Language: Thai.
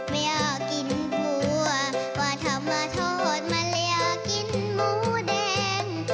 ไม่อยากกินผัววาถมทดมันเหลียกกินหมูเด็ง